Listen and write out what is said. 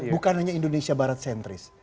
bukan hanya indonesia barat sentris